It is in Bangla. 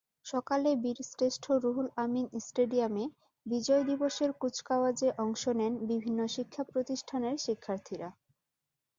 সকালে বীরশ্রেষ্ঠ রুহুল আমিন স্টেডিয়ামে বিজয় দিবসের কুচকাওয়াজে অংশ নেন বিভিন্ন শিক্ষাপ্রতিষ্ঠানের শিক্ষার্থীরা।